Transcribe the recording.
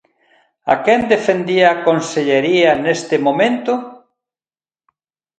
¿A quen defendía a Consellería neste momento?